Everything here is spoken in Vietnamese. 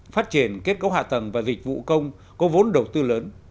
phát triển kết cấu hạ tầng và dịch vụ công có vốn đầu tư lớn